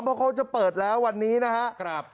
เพราะเขาจะเปิดแล้ววันนี้นะครับ